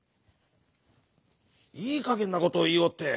「いいかげんなことをいいおって。